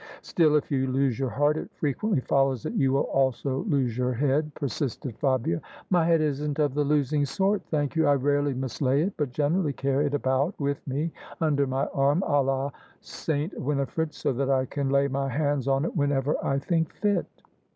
" Still, if you lose your heart, it frequently follows that you will also lose your head," persisted Fabia. My head isn't of the losing sort, thank you I I rarely mislay it, but generally carry it about with me under my arm, a la S. Winifred, so that I can lay my hands on it whenever I think fit."